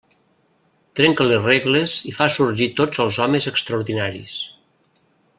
Trenca les regles i fa sorgir tots els homes extraordinaris.